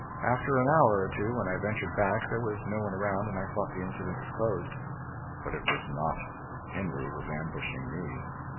After an hour or two, when I ventured back, there was no one around and I thought the incident was closed. But it was not. Henry was ambushing me.